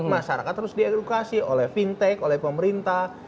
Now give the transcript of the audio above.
masyarakat harus diedukasi oleh fintech oleh pemerintah